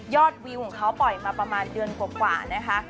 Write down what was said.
วิวของเขาปล่อยมาประมาณเดือนกว่านะคะ